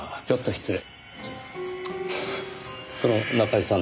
失礼。